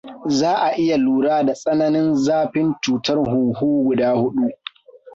Za a iya lura da tsananin zafin cutar huhu guda hudu: